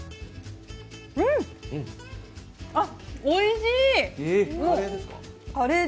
あ、おいしい！